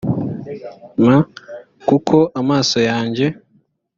m kuko amaso yanjye